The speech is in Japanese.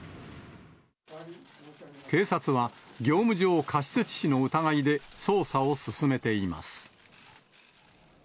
警察は、業務上過失致死の疑いで、捜査を進めています。